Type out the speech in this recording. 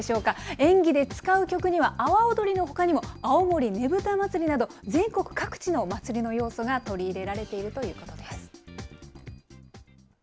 演技で使う曲には、阿波おどりのほかにも、青森ねぶた祭など、全国各地の祭りの要素が取り入れられているということです。